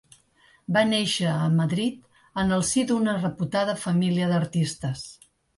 Va néixer a Madrid, en el si d'una reputada família d'artistes.